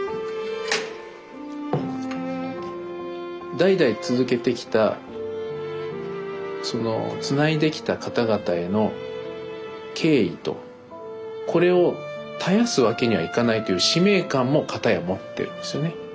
代々続けてきたつないできた方々への敬意とこれを絶やすわけにはいかないという使命感も片や持ってるんですよね。